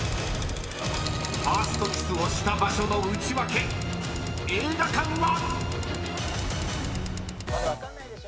［ファーストキスをした場所のウチワケ映画館は⁉］